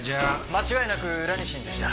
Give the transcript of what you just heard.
間違いなくラニシンでした。